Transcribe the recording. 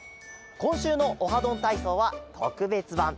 こんしゅうの「オハどんたいそう」はとくべつばん。